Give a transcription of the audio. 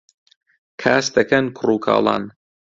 کاس دەکەن کوڕ و کاڵان